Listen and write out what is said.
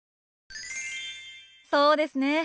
そうですね。